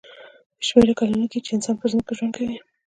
بې شمېره کلونه کېږي چې انسان پر ځمکه ژوند کوي.